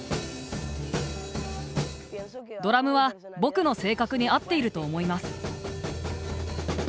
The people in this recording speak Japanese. ドラムは僕の性格に合っていると思います。